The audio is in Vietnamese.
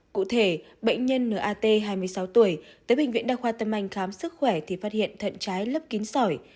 cụ thể bệnh nhân n a t hai mươi sáu tuổi tới bệnh viện đa khoa tâm anh khám sức khỏe thì phát hiện thận trái lấp kín sỏi